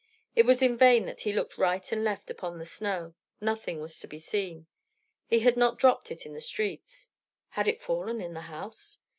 It was in vain that he looked right and left upon the snow; nothing was to be seen. He had not dropped it in the streets. Had it fallen in the house?